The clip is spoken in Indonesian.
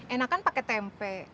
enak kan pake tempe